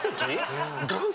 岩石？